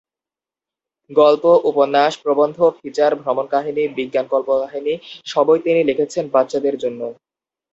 গল্প, উপন্যাস, প্রবন্ধ, ফিচার, ভ্রমণকাহিনী, বিজ্ঞান কল্পকাহিনী সবই তিনি লিখেছেন বাচ্চাদের জন্য।